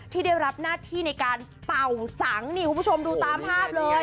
ที่ได้รับหน้าที่ในการเป่าสังนี่คุณผู้ชมดูตามภาพเลย